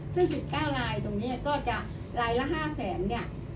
ซึ่งสิบเก้ารายตรงเนี้ยก็จะรายละห้าแสนเนี้ย